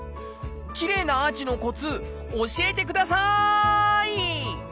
きれいなアーチのコツ教えてください！